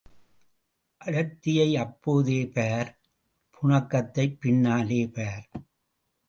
அடர்த்தியை அப்போதே பார் புணக்கத்தைப் பின்னாலே பார்.